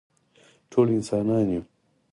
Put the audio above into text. ټول انسانان یو